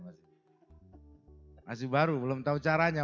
masih baru belum tahu caranya